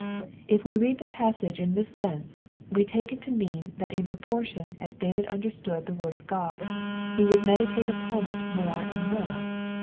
* If we read the passage in this sense, we take it to mean that in proportion as David understood the word of God he would meditate upon it more and more.